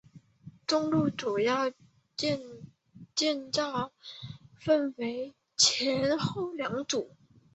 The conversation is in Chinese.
中路的主要建筑分前后两组。